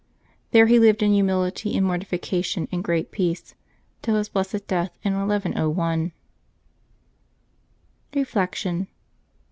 There he lived, in humility and mor tification and great peace, till his blessed death in 1101. Reflection.